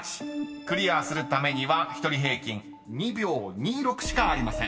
［クリアするためには１人平均２秒２６しかありません］